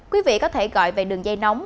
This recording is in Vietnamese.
quý vị có thể gọi về đường dây nóng